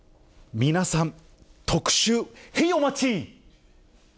皆さん、特集、へい、お待ち。